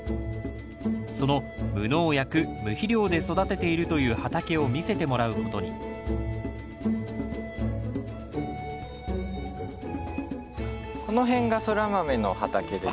その無農薬・無肥料で育てているという畑を見せてもらうことにこの辺がソラマメの畑です。